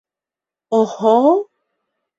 Оһо!